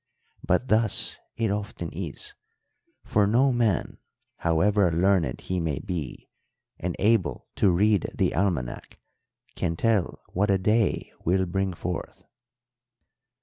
But thus it often is; for no man, however learned he may be and able to read the almanac, can tell what a day will bring forth."